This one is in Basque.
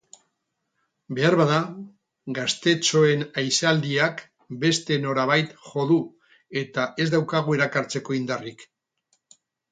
Beharbada gaztetxoen aisialdiak beste norabait jo du eta ez daukagu erakartzeko indarrik.